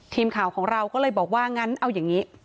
ทีมข่าวของเราก็เลยบอกว่างั้นเอาอย่างนี้